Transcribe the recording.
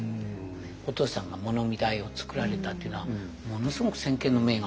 お父さんが物見台を作られたっていうのはものすごく先見の明がありますよね。